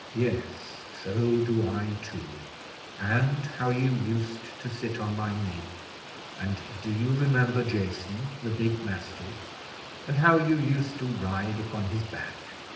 "Yes, so do I too, and how you used to sit on my knee; and do you remember Jason, the big mastiff, and how you used to ride upon his back?"